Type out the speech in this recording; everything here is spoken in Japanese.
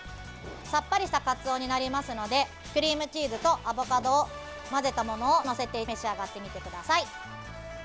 さっぱりしたカツオになりますのでクリームチーズとアボカドを混ぜたものを載せて召し上がってみてください。